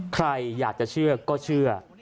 ใครอยากจะเชื่อก็เชื่อ